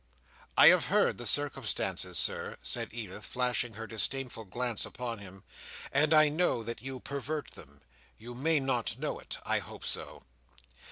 "I have heard the circumstances, Sir," said Edith, flashing her disdainful glance upon him, "and I know that you pervert them. You may not know it. I hope so."